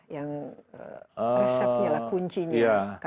yang resepnya lah kuncinya